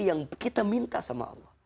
yang kita minta sama allah